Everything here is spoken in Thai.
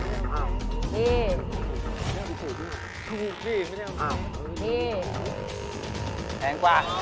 พี่ไม่ได้เอา